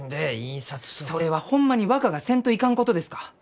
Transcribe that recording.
それはホンマに若がせんといかんことですか？